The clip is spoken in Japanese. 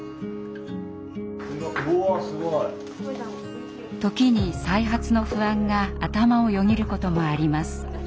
おすごい。時に再発の不安が頭をよぎることもあります。